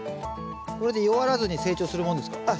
これで弱らずに成長するもんですか？